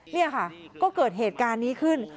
นี่ค่ะก็เกิดเหตุการณ์นี้ขึ้น